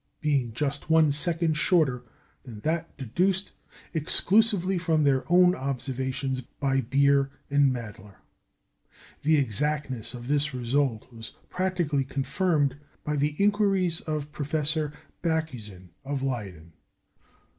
being just one second shorter than that deduced, exclusively from their own observations, by Beer and Mädler. The exactness of this result was practically confirmed by the inquiries of Professor Bakhuyzen of Leyden.